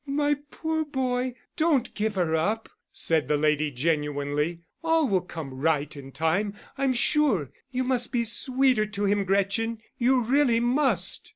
"My poor boy, don't give her up," said the lady, genuinely. "All will come right in time, I'm sure. You must be sweeter to him, Gretchen. You really must."